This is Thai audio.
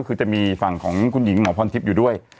คือจะมีฝั่งของคุณหญิงหมอพรทิพย์อยู่ด้วย